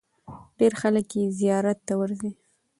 ډېر خلک یې زیارت ته ورځي.